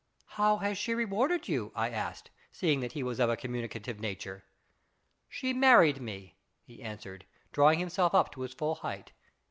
" How has she rewarded you ?" I asked, seeing that he was of a communicative nature. " She married me," he answered, drawing himself up to his full height.